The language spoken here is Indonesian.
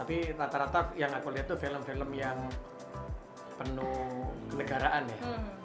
tapi rata rata yang aku lihat tuh film film yang penuh kenegaraan ya